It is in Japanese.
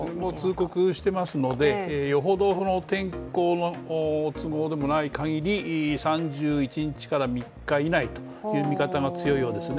通告してますので、よほど天候の都合でもないかぎり３１日から３日以内という見方が強いようですね。